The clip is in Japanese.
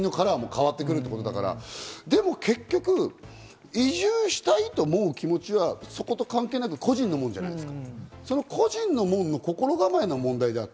今の、国のトップが誰かということで国のカラーも変わってくるということだから、でも結局、移住したいという気持ちはそこと関係なく、個人のものじゃないですか。